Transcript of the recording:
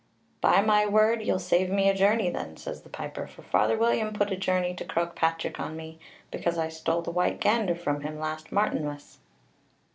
"By my word, you'll save me a journey, then," says the piper, "for Father William put a journey to Croagh Patric on me, because I stole the white gander from him last Martinmas."